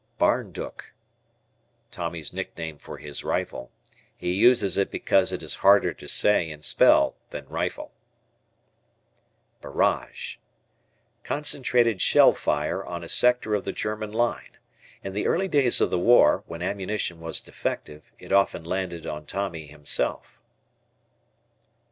"Barndook." Tommy's nickname for his rifle. He uses it because it is harder to say and spell than "rifle." Barrage. Concentrated shell fire on a sector of the German line. In the early days of the war, when ammunition was defective, it often landed on Tommy himself.